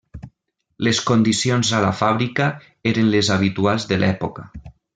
Les condicions a la fàbrica eren les habituals de l'època.